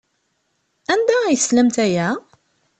Anda ay teslamt aya?